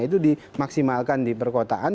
itu dimaksimalkan di perkotaan